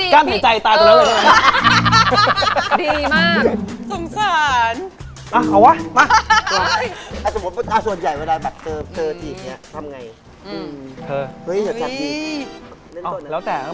ก้ามเห็นใจตายตรงนั้นเลย